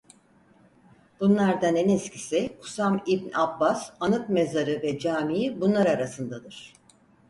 Bunlardan en eskisi Kusam-ibn-Abbas anıt mezarı ve camii bunlar arasındadır.